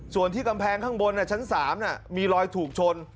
ส่วนที่กำแพงข้างบนชั้น๓มีรอยถูกชน